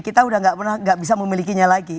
kita udah gak bisa memilikinya lagi